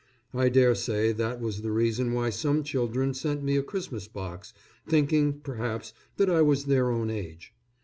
I dare say that was the reason why some children sent me a Christmas box thinking, perhaps, that I was their own age.